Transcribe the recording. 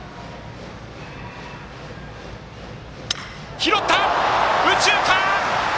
ひろった、右中間！